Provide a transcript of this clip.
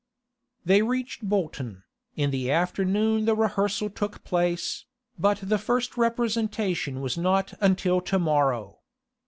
They reached Bolton. In the afternoon the rehearsal took place, but the first representation was not until to morrow.